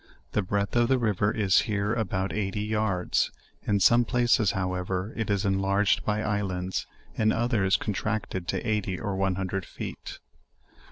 The breadth of the river is here about eighty yards: in some places however, it is enlarged by islands, in others contracted to eighty or one hundred feet.